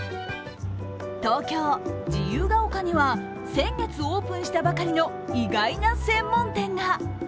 東京・自由が丘には先月オープンしたばかりの意外な専門店が。